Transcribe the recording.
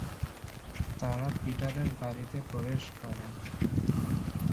তারা পিটারের বাড়িতে প্রবেশ করে।